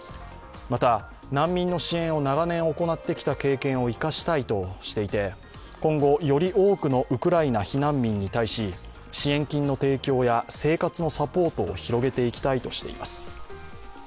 また、難民の支援を長年行ってきた経験を生かしたいとしていて、今後、より多くのウクライナ避難民に対し支援金の提供や生活のサポートを広げていきたいとしています。